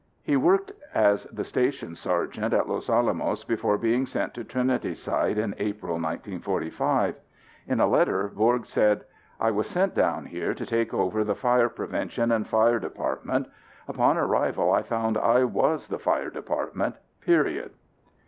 He worked as the station sergeant at Los Alamos before being sent to Trinity Site in April 1945. In a letter Bourg said, "I was sent down here to take over the fire prevention and fire department. Upon arrival I found I was the fire department, period."